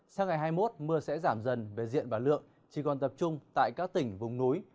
sang ngày hai mươi một mưa sẽ giảm dần về diện và lượng chỉ còn tập trung tại các tỉnh vùng núi